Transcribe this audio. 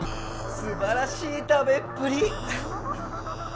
すばらしい食べっぷり！